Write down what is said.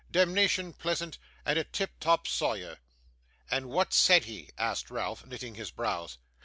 'Demnition pleasant, and a tip top sawyer.' 'And what said he?' asked Ralph, knitting his brows.